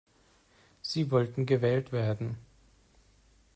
Sie wollten gewählt werden.